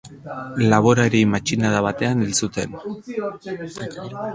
Laborari matxinada batean hil zuten.